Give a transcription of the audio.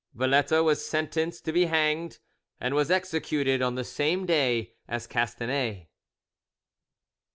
Valette was sentenced to be hanged, and was executed on the same day as Castanet.